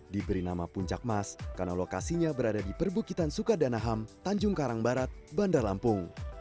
diberi nama puncak mas karena lokasinya berada di perbukitan sukadanaham tanjung karang barat bandar lampung